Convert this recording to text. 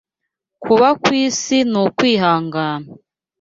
Kuba kw’isi n’ukwihangana